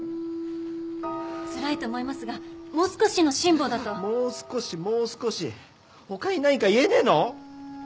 つらいと思いますがもう少しの辛抱だと。もう少しもう少し他に何か言えねえの？